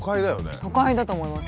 都会だと思います。